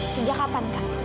sejak kapan kak